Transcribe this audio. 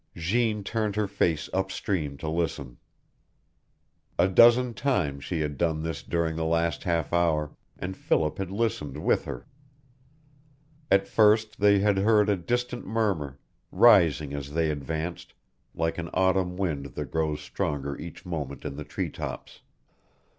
Jeanne turned her face up stream to listen. A dozen times she had done this during the last half hour, and Philip had listened with her. At first they had heard a distant murmur, rising as they advanced, like an autumn wind that grows stronger each moment in the tree tops.